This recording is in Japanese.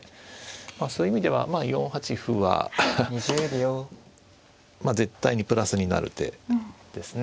まあそういう意味では４八歩は絶対にプラスになる手ですね。